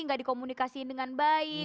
nggak dikomunikasiin dengan baik